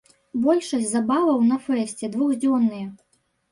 Большасць забаваў на фэсце двухдзённыя.